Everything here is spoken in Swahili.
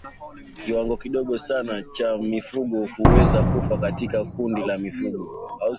Kiwango kidogo sana cha mifugo huweza kufa katika kundi la mifugo